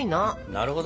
なるほど。